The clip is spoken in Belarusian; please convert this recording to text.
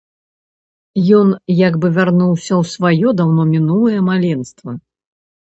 Ён як бы вярнуўся ў сваё, даўно мінулае, маленства.